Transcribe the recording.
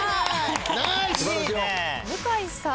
向井さん。